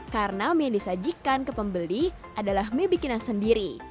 karena mie yang disajikan ke pembeli adalah mie bikinan sendiri